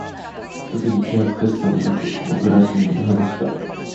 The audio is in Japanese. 特に気恥ずかしさもなく、僕らは自然に話した。